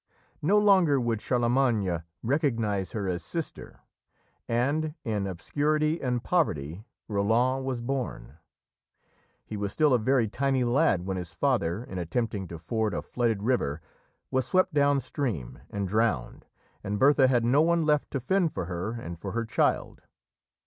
No longer would Charlemagne recognise her as sister, and in obscurity and poverty Roland was born. He was still a very tiny lad when his father, in attempting to ford a flooded river, was swept down stream and drowned, and Bertha had no one left to fend for her and for her child.